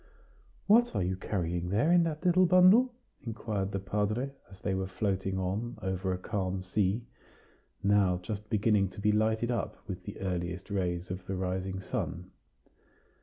"What are you carrying there in that little bundle?" inquired the padre, as they were floating on over a calm sea, now just beginning to be lighted up with the earliest rays of the rising sun.